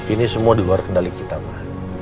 ini semua di luar kendali kita mah